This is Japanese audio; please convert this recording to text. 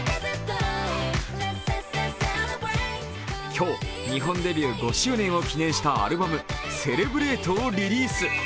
今日、日本デビュー５周年を記念したアルバム「Ｃｅｌｅｂｒａｔｅ」をリリース。